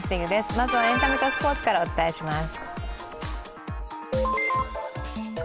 まずはエンタメとスポーツからお伝えします。